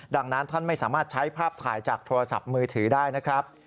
ดังนั้นท่านไม่สามารถใช้ภาพถ่ายจากโทรศัพท์มือถือได้นะครับ